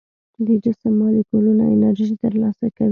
د جسم مالیکولونه انرژي تر لاسه کوي.